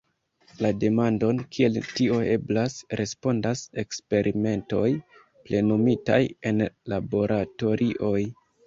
La demandon Kiel tio eblas, respondas eksperimentoj plenumitaj en laboratorioj.